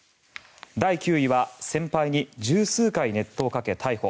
第９位は先輩に１０数回熱湯をかけ逮捕。